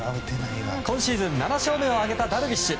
今シーズン７勝目を挙げたダルビッシュ。